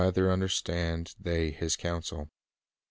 Educator understand they His counsel."